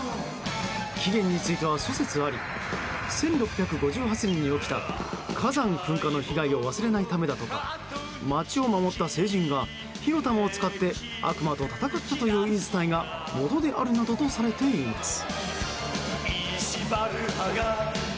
起源については諸説あり１６５８年に起きた火山噴火の被害を忘れないためだとか街を守った聖人が火の玉を使って悪魔と戦ったという言い伝えがもとであるなどとされています。